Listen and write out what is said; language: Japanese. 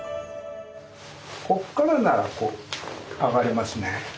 こっからならこう上がれますね。